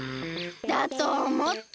だとおもった！